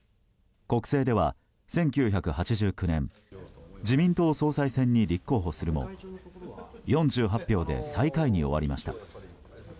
国政では、１９８９年自民党総裁選に立候補するも４８票で最下位に終わりました。